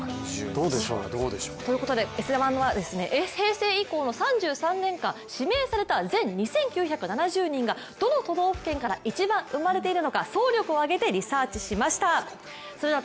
どうでしょう？ということで「Ｓ☆１」は平成以降の３３年間、指名された全２９７０人がどの都道府県から一番生まれているのか総力を挙げてリサーチしました。